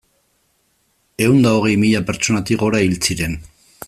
Ehun eta hogei mila pertsonatik gora hil ziren.